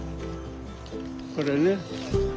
これね。